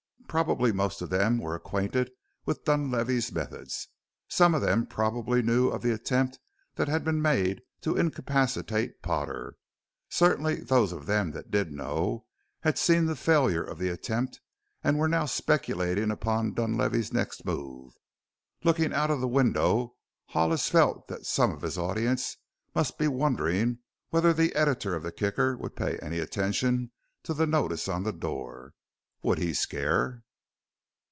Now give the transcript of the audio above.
Probably most of them were acquainted with Dunlavey's methods; some of them probably knew of the attempt that had been made to incapacitate Potter. Certainly those of them that did know had seen the failure of the attempt and were now speculating upon Dunlavey's next move. Looking out of the window Hollis felt that some of his audience must be wondering whether the editor of the Kicker would pay any attention to the notice on the door. Would he scare?